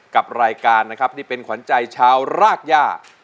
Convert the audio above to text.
กับรายการนะครับที่เป็นขวัญใจชาวรากย่า